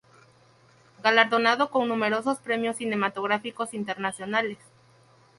Galardonada con numerosos premios cinematográficos internacionales.